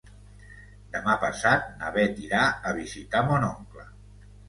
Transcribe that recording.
Demà passat na Bet irà a visitar mon oncle.